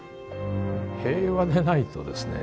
平和でないとですね